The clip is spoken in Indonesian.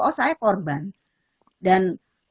oh saya korban dan